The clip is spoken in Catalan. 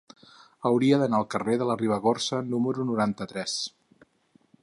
Hauria d'anar al carrer de la Ribagorça número noranta-tres.